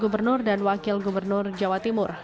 berdiri di jawa timur